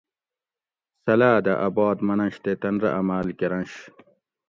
سلاۤ دہ اۤ بات مننش تےتن رہ عمال کرنش